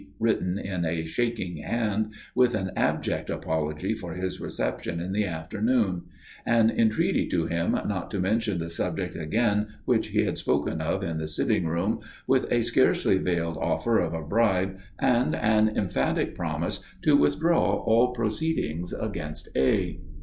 written in a shaking hand, with an abject apology for his reception in the afternoon; an entreaty to him not to mention the subject again which he had spoken of in the sitting room, with a scarcely veiled offer of a bribe, and an emphatic promise to withdraw all proceedings against A.